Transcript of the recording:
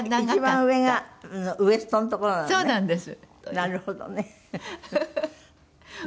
なるほどね。